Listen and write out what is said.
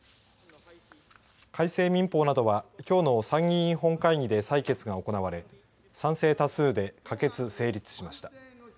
改正民法などは今日の参議院本会議で採決が行われ賛成多数で可決、成立しました。